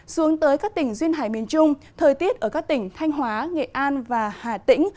xuống tới các tỉnh duyên hải miền trung thời tiết ở các tỉnh thanh hóa nghệ an và hà tĩnh